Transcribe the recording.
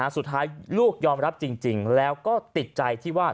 สุดท้ายลูกยอมรับจริงแล้วก็ติดใจที่ว่า